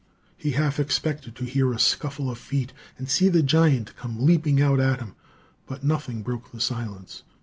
He half expected to hear a scuffle of feet and see the giant come leaping out at him; but nothing broke the silence.